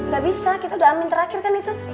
gak bisa kita udah amin terakhir kan itu